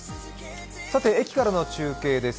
駅からの中継です。